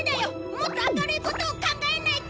もっと明るいことを考えないと！